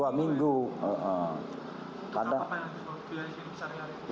biasa apa yang bisa diharuskan sehari hari